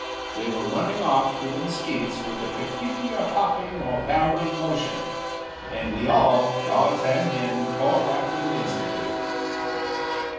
They were running off through the mesquites with a peculiar hopping or bounding motion, and we all, dogs and men, tore after them instantly.